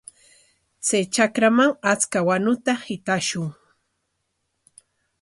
Chay trakraman achka wanuta hitashun.